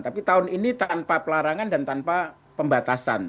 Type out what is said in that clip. tapi tahun ini tanpa pelarangan dan tanpa pembatasan